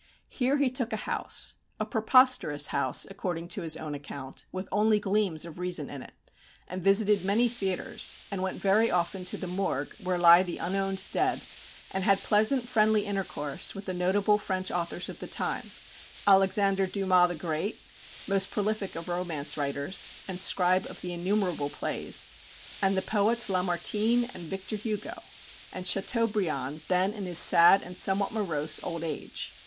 Here he took a house a "preposterous" house, according to his own account, with only gleams of reason in it; and visited many theatres; and went very often to the Morgue, where lie the unowned dead; and had pleasant friendly intercourse with the notable French authors of the time, Alexandre Dumas the Great, most prolific of romance writers; and Scribe of the innumerable plays; and the poets Lamartine and Victor Hugo; and Chateaubriand, then in his sad and somewhat morose old age.